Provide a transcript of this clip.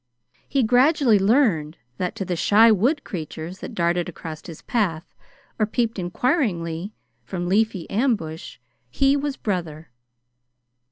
He gradually learned that, to the shy wood creatures that darted across his path or peeped inquiringly from leafy ambush, he was brother.